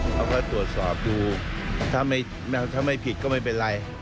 เขาก็ตรวจสอบดูถ้าไม่ผิดก็ไม่เป็นไร